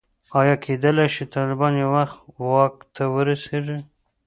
ایا کېدلای شي طالبان یو وخت واک ته ورسېږي.